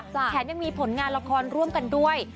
แถมยังมีผลงานละครร่วมกันด้วย